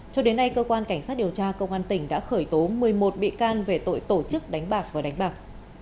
cho đến nay cơ quan cảnh sát điều tra công an tỉnh đã khởi tố một mươi một bị can về tội tổ chức đánh bạc và đánh bạc